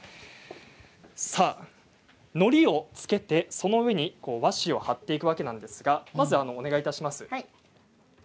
のりを付けて、その上に和紙を貼っていくわけなんですがまずお願いいたします。